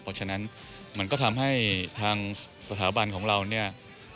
เพราะฉะนั้นมันก็ทำให้ทางสถาบันของเราเนี่ย